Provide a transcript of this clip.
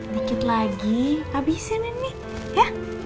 dikit lagi habisin ini ya